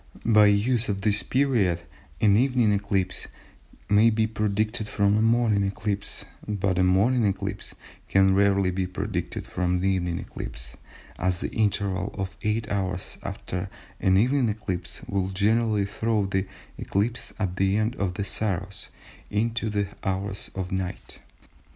By use of this period an evening eclipse may be predicted from a morning eclipse but a morning eclipse can rarely be predicted from an evening eclipse (as the interval of eight hours after an evening eclipse will generally throw the eclipse at the end of the Saros into the hours of night).